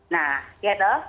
nah ya toh